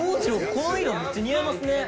この色めっちゃ似合いますね。